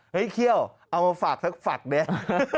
เฮ้ยเครี่ยวเอามาฝากซักฝักเนี่ย